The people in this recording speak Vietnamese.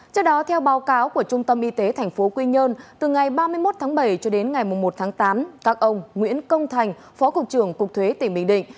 trước đó theo báo cáo của trung tâm y tế tp quy nhơn từ ngày ba mươi một tháng bảy cho đến ngày một tháng tám các ông nguyễn công thành phó cục trưởng cục thuế tỉnh bình định